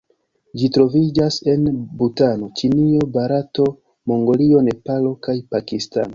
Ĝi troviĝas en Butano, Ĉinio, Barato, Mongolio, Nepalo kaj Pakistano.